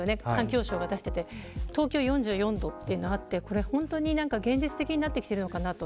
環境省が出していて東京４４度というのがあって現実的になってきているのかなと。